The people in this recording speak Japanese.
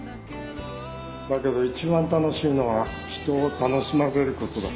だけど一番楽しいのは人を楽しませることだ。